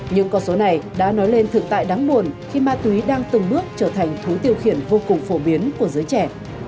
những con số này đã nói lên thực tại đáng buồn khi ma túy đang từng bước trở thành thú tiêu khiển vô cùng phổ biến của giới trẻ